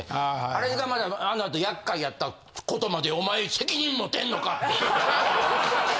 あれがまたあのあと厄介やったことまでお前責任持てんのかって。